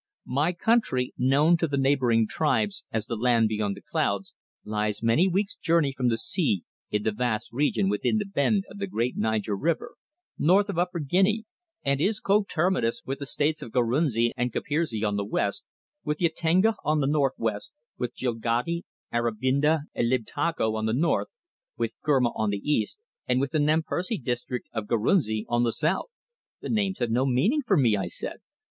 My country, known to the neighbouring tribes as the Land Beyond the Clouds, lies many weeks' journey from the sea in the vast region within the bend of the great Niger river, north of Upper Guinea, and is coterminous with the states of Gurunsi and Kipirsi on the west, with Yatenga on the north west, with Jilgodi, Aribinda, and Libtako on the north, with Gurma on the east, and with the Nampursi district of Gurunsi on the south." "The names have no meaning for me," I said.